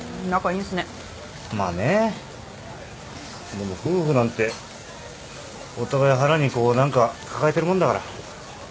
でも夫婦なんてお互い腹にこう何か抱えてるもんだから。